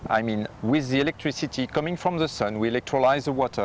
maksud saya dengan elektrisitas yang datang dari lautan kita elektrolisir air